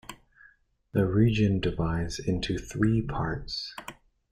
The region divides into three parts.